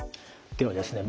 ではですね